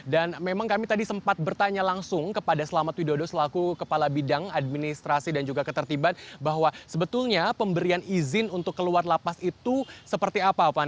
dan memang kami tadi sempat bertanya langsung kepada selamat widodo selaku selamat menikmati